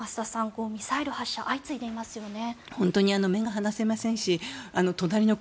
このミサイル発射が相次いでいますよね。